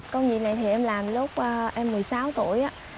công việc này thì em làm lúc em một mươi sáu tuổi